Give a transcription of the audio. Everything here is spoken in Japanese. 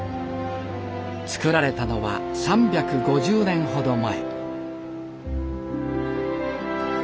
造られたのは３５０年ほど前。